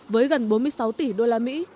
với gần bốn mươi sáu tỷ đô la mỹ